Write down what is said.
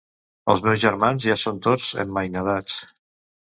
Els meus germans ja són tots emmainadats.